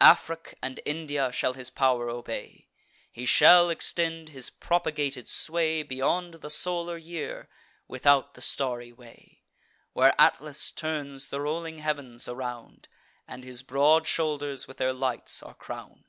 Afric and India shall his pow'r obey; He shall extend his propagated sway Beyond the solar year, without the starry way, Where Atlas turns the rolling heav'ns around, And his broad shoulders with their lights are crown'd.